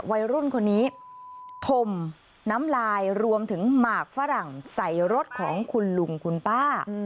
วัยรุ่นคนนี้ถมน้ำลายรวมถึงหมากฝรั่งใส่รถของคุณลุงคุณป้า